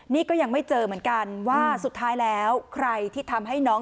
นี่ก็ยังไม่เจอเหมือนกันว่าสุดท้ายแล้วใครที่ทำให้น้อง